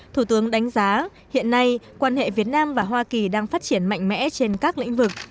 thủ tướng đánh giá hiện nay quan hệ việt nam và hoa kỳ đang phát triển mạnh mẽ trên các lĩnh vực